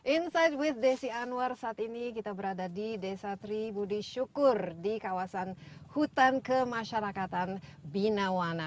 insight with desi anwar saat ini kita berada di desa tribudi syukur di kawasan hutan kemasyarakatan binawana